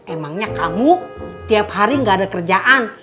emangnya kamu tiap hari gak ada kerjaan